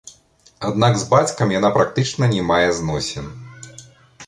Аднак з бацькам яна практычна не мае зносін.